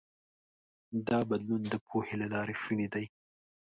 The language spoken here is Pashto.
دا بدلون د پوهې له لارې شونی دی.